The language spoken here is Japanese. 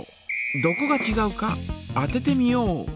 どこがちがうか当ててみよう！